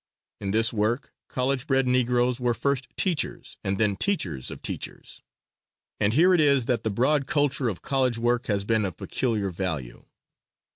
In this work college bred Negroes were first teachers, and then teachers of teachers. And here it is that the broad culture of college work has been of peculiar value.